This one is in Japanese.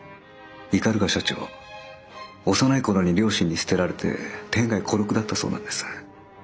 社長幼い頃に両親に捨てられて天涯孤独だったそうなんです。